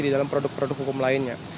di dalam produk produk hukum lainnya